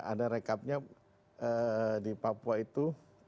ada rekapnya di papua itu